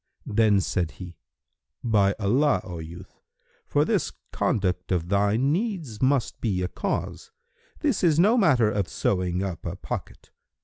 Then said he, "By Allah, O youth, for this conduct of thine needs must be a cause, this is no matter of sewing up a pocket.